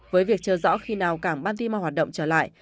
với việc chờ rõ khi nào cảng baltimore hoạt động trở lại